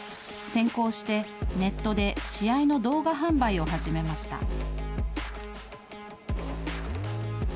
先行してネットで試合の動画販売を始めました。